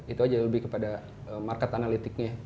itu aja lebih kepada market analytic nya